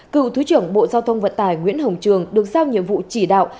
cựu thứ trưởng bộ giao thông vận tải nguyễn hồng trường được giao nhiệm vụ chỉ đạo